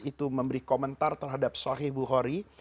itu memberi komentar terhadap sohih bukhari